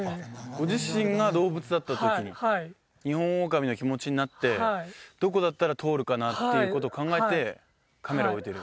ご自身が動物だったときニホンオオカミの気持ちになってどこだったら通るかなっていうことを考えてカメラを置いてる？